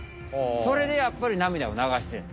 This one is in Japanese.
それでやっぱり涙を流してる。